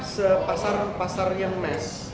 sepasar pasar yang mes